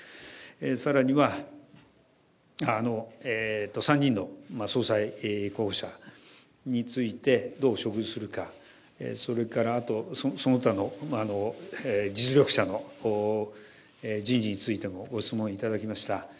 さらには、３人の総裁候補者について、どう処遇するか、それからあと、その他の実力者の人事についてもご質問頂きました。